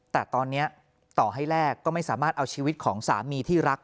แต่ตอนนี้ต่อให้แลกก็ไม่สามารถเอาชีวิตของสามีที่รัก